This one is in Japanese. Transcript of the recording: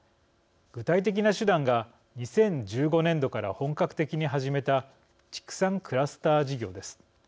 具体的な手段が２０１５年度から本格的に始めた畜産クラスター事業です。